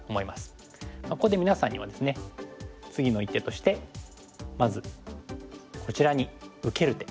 ここで皆さんにはですね次の一手としてまずこちらに受ける手。